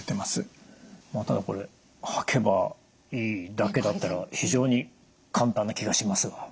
まあただこれ履けばいいだけだったら非常に簡単な気がしますが。